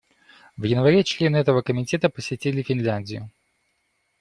В январе члены этого Комитета посетили Финляндию.